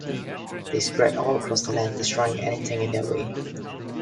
They spread all across the land, destroying anything in their way.